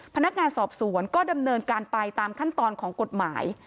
พนักงานสอบสวนก็ดำเนินการไปตามขั้นตอนของกฎหมาย